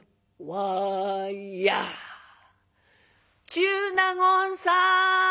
「中納言さん！